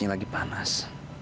tentu aslinya lagi panas